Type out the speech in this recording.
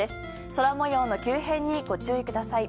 空模様の急変にご注意ください。